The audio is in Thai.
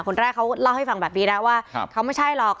คนแรกเขาเล่าให้ฟังแบบนี้นะว่าเขาไม่ใช่หรอก